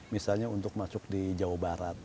misalnya untuk masuk di jawa barat